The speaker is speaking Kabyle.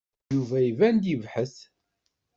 Yuba iban-d yebhet.